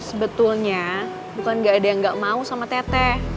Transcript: sebetulnya bukan gak ada yang gak mau sama tete